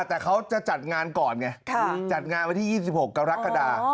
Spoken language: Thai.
แต่เขาจะจัดงานก่อนไงจัดงานวันที่๒๖กรกฎา